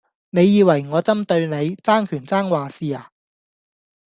你以為我針對你,爭權爭話事呀?